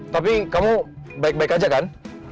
tapi kamu baik baik aja kan